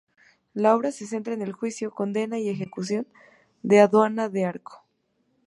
La obra se centra en el juicio, condena y ejecución de Juana de Arco.